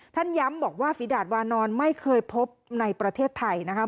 ท่านย้ำบอกว่าฝีดาดวานอนไม่เคยพบในประเทศไทยนะคะ